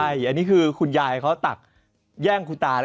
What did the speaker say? อันนี้คือคุณยัยเขาตักแย่งคุณตาร่ะ